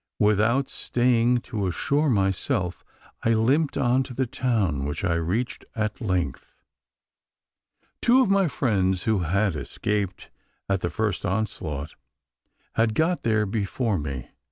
Without staying to assure myself, I limped on to the town which I reached at length. Two of my friends, who had escaped at the first onslaught, had got there before me.